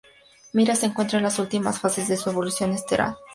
Mira se encuentra en las últimas fases de su evolución estelar.